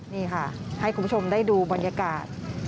นี่ค่ะให้คุณผู้ชมได้ดูบรรยากาศ